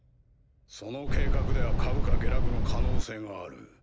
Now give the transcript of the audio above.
その計画では株価下落の可能性がある。